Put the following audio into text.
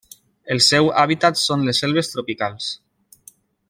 El seu hàbitat són les selves tropicals.